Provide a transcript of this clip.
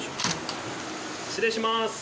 失礼します。